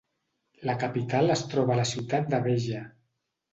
La capital es troba a la ciutat de Béja.